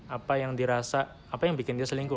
apa yang dirasa apa yang bikin dia selingkuh